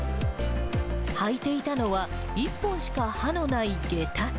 履いていたのは、一本しか歯のない下駄。